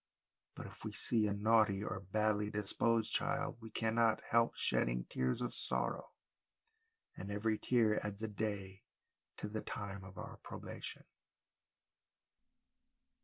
But if we see a naughty or badly disposed child, we cannot help shedding tears of sorrow, and every tear adds a day to the time of our probation."